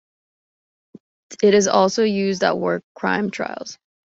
It is also used at war crime trials.